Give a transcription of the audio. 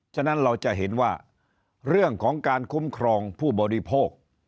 ฉะนั้นเราจะเห็นว่าเรื่องของการคุ้มครองผู้บริโภค